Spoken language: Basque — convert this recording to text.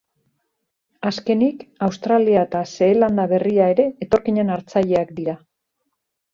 Azkenik, Australia eta Zeelanda Berria ere etorkinen hartzaileak dira.